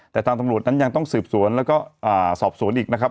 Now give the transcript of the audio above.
แต่ทางตำรวจนั้นยังต้องสืบสวนแล้วก็สอบสวนอีกนะครับ